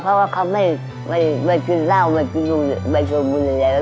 เพราะว่าเขาไม่ไม่กินเต้าไม่กินไม่กินบริเวณ